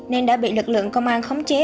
nên đã bị lực lượng công an khống chế